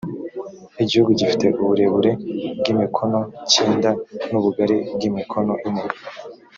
igihugu gifite uburebure bw’imikono cyenda, n’ubugari bw’imikono ine